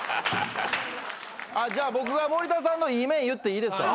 じゃあ僕が森田さんのいい面言っていいですか？